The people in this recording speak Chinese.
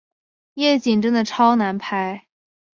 夜景真的超难拍